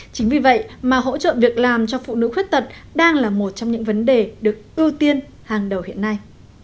chính vì vậy mà hỗ trợ việc làm cho phụ nữ khuyết tật đang là một trong những vấn đề được ưu tiên hàng đầu hiện nay